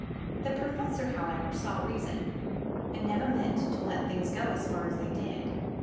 The professor, however, saw reason, and never meant to let things go as far as they did.